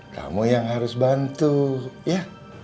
kamu yang harus bantu ya